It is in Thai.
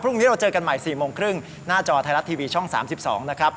พรุ่งนี้เราเจอกันใหม่๔โมงครึ่งหน้าจอไทยรัฐทีวีช่อง๓๒นะครับ